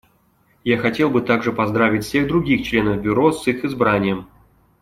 Я хотел бы также поздравить всех других членов Бюро с их избранием.